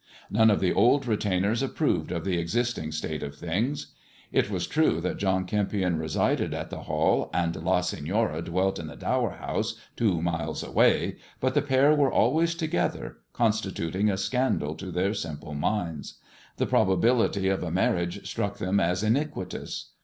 None of the old retainers approved of the existing state of things. It was true that John Kempion resided at the Hall, and La Senora dwelt in the Dower House two miles away ; but the pair were always together, constituting a scandal to their simple minds. The probability of a marriage struck them as iniquitous.